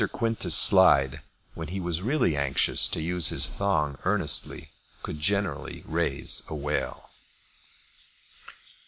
Quintus Slide, when he was really anxious to use his thong earnestly, could generally raise a wale.